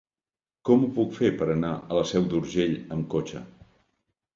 Com ho puc fer per anar a la Seu d'Urgell amb cotxe?